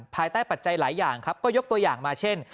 ภายใต้ปัจจัยหลายอย่างครับก็ยกตัวอย่างมาเช่น